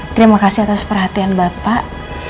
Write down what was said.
terima kasih atas perhatian bapak